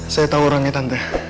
saya tahu orangnya tante